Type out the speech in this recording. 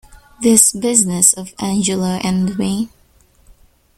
This business of Angela and me.